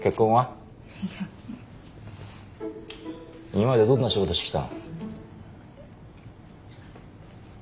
今までどんな仕事してきたの？